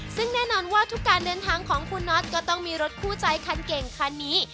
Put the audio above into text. ซึ่งแน่นอนว่าทุกการเดินทางของคุณน็อตก็ต้องมีรถคู่ใจคันเก่งคันนี้